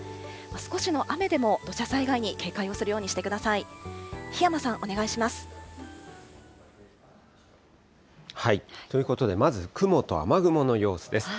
少しの雨でも土砂災害に警戒をするようにしてください。ということで、まず雲と雨雲の様子です。